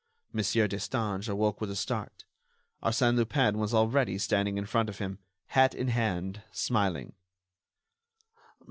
Monsieur Destange awoke with a start. Arsène Lupin was already standing in front of him, hat in hand, smiling.